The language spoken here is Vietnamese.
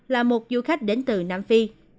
là một du khách đến từ nam phi